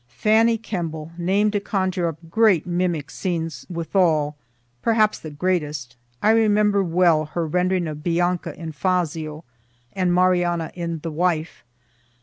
Fanny Kemble name to conjure up great mimic scenes withal perhaps the greatest. I remember well her rendering of Bianca in "Fazio," and Marianna in "the Wife."